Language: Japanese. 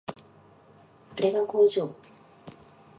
あれが工場